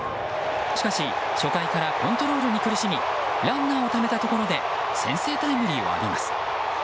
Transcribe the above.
しかし初回からコントロールに苦しみランナーをためたところで先制タイムリーを浴びます。